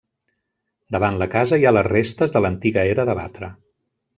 Davant la casa hi ha les restes de l'antiga era de batre.